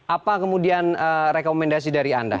apa kemudian rekomendasi dari anda